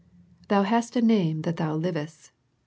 " Thou hast a name that thou livest."